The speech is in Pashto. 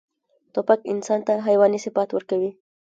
توپک انسان ته حیواني صفات ورکوي.